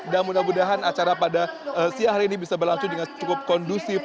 dan mudah mudahan acara pada siang hari ini bisa berlangsung dengan cukup kondusif